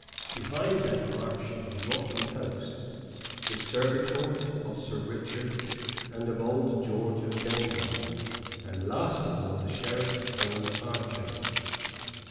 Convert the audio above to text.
Behind them marched a motley host the servitors of Sir Richard and of old George of Gamewell, and last of all the Sheriff's own archers.